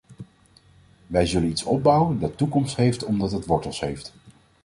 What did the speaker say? Wij zullen iets opbouwen dat toekomst heeft omdat het wortels heeft.